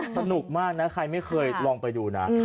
สนุกมากนะใครไม่เคยลองไปดูนะ